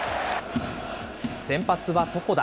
先発は床田。